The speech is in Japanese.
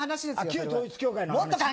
旧統一教会の話。